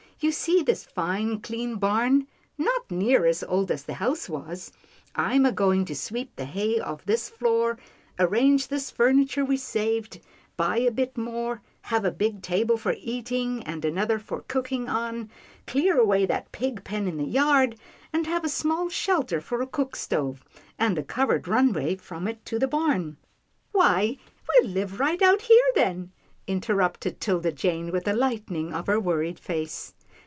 You see this fine, clean barn, not near as old as the house was. I'm a going to sweep the hay off this floor, arrange this furni ture we saved, buy a bit more, have a big table for eating, and another for cooking on, clear away that pig pen in the yard, and have a small shelter 'TILDA JANE RECEIVES A SHOCK 257 for a cook stove, and a covered runway from it to the barn —"" Why we'll live right here, then," interrupted 'Tilda Jane with a lightening of her worried . face.